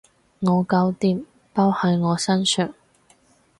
我搞掂，包喺我身上